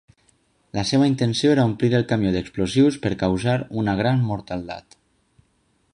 La seva intenció era omplir el camió d’explosius per causar una gran mortaldat.